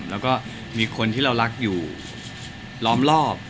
แล้วก็มีคนที่เรารักอยู่ล้อมรอบ